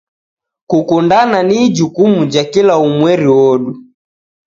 Kukundana ni ijukumu ja kila umweri wodu.